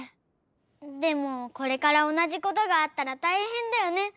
でもこれからおなじことがあったらたいへんだよね。